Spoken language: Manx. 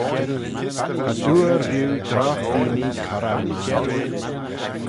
Cha dooar rieau drogh veaynee corran mie